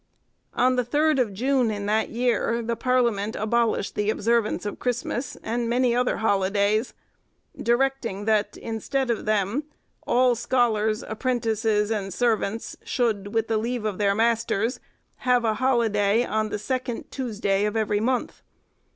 On the 3d of June in that year, the parliament abolished the observance of Christmas and many other holidays, directing that, instead of them, all scholars, apprentices, and servants should, with leave of their masters, have a holiday on the second Tuesday in every month.